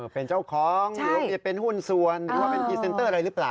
เป็นเจ้าของหรือเป็นหุ้นส่วนหรือว่าเป็นพรีเซนเตอร์อะไรหรือเปล่า